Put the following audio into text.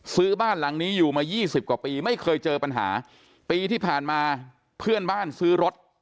ซื้อบ้านหลังนี้อยู่มายี่สิบกว่าปีไม่เคยเจอปัญหาปีที่ผ่านมาเพื่อนบ้านซื้อรถ